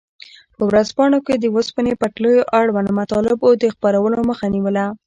په ورځپاڼو کې د اوسپنې پټلیو اړوند مطالبو د خپرولو مخه نیوله.